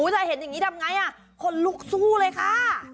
จะเห็นอย่างนี้ทำไงคนลุกสู้เลยค่ะ